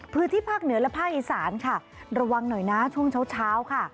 พื้นที่ภาคเหนือและภาคอีสานค่ะระวังหน่อยนะช่วงเช้าค่ะ